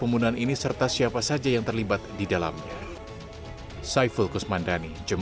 pembunuhan ini serta siapa saja yang terlibat di dalamnya